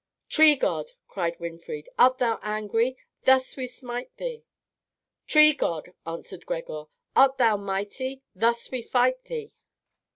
"Tree god!" cried Winfried, "art thou angry? Thus we smite thee!" "Tree god!" answered Gregor, "art thou mighty? Thus we fight thee!"